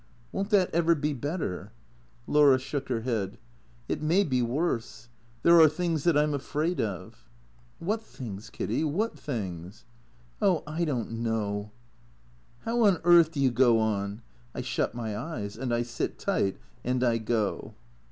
" Won't that ever be better ?" Laura shook her head. " It may be worse. There are things — that I 'm afraid of." " What things. Kiddy, what things ?"" Oh ! I don't know "" How on earth do you go on ?"" I shut my eyes. And I sit tight. And I go."